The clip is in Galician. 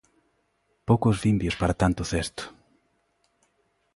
Poucos vimbios para tanto cesto.